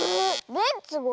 「レッツゴー！